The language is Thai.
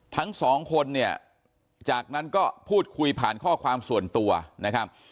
ทั้งสองคนเนี่ยจากนั้นก็พูดคุยผ่านข้อความส่วนตัวนะครับ